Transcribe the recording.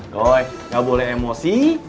doi gak boleh emosi